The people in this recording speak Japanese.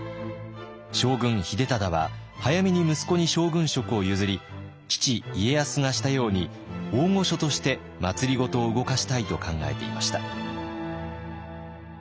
将軍秀忠は早めに息子に将軍職を譲り父家康がしたように「大御所」として政を動かしたいと考えていました。